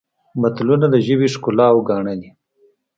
متلونه د ژبې ښکلا او ګاڼه دي